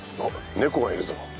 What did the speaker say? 猫がいるぞ。